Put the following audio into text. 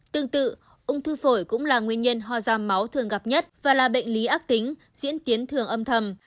tương tự ung thư phổi cũng là nguyên nhân ho da máu thường gặp nhất và là bệnh lý ác tính diễn tiến thường âm thầm